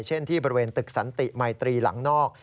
เช่นที่บริเวณตึกสันติมัยตรีหลังนอก